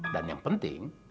dan yang penting